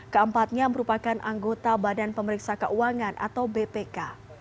keempatnya merupakan anggota badan pemeriksa keuangan atau bpk